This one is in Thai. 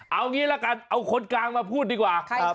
เอางี้ละกันเอาคนกลางมาพูดดีกว่า